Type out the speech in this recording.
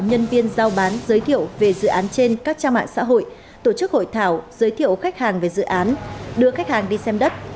nhân viên giao bán giới thiệu về dự án trên các trang mạng xã hội tổ chức hội thảo giới thiệu khách hàng về dự án đưa khách hàng đi xem đất